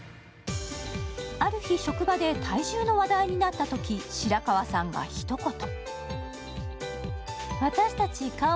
ある日、職場で体重の話題になったとき白川さんはひと言。